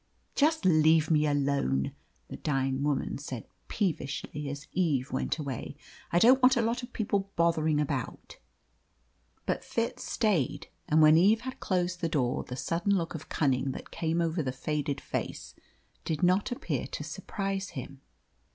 "Just leave me alone," the dying woman said peevishly as Eve went away; "I don't want a lot of people bothering about." But Fitz stayed, and when Eve had closed the door the sudden look of cunning that came over the faded face did not appear to surprise him.